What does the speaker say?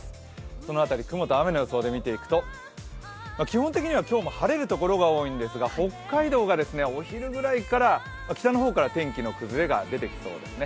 この辺り、雲と雨の予想で見ていくと基本的には今日も晴れるところが多いんですが北海道がお昼ぐらいから北の方から天気の崩れが出てきそうですね。